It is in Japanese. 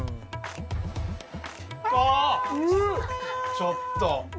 ちょっと！